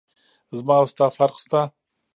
زما او ستا فرق سته.